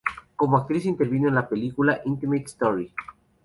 Como actriz, intervino en la película "Intimate Story".